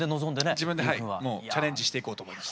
自分ではいもうチャレンジしていこうと思いました。